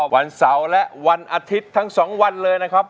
วันเสาร์และวันอาทิตย์ทั้ง๒วันเลยนะครับ